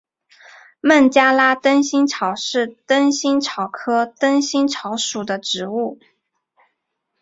孟加拉灯心草是灯心草科灯心草属的植物。